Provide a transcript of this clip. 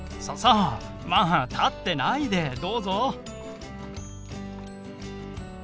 さあさあまあ立ってないでどうぞ。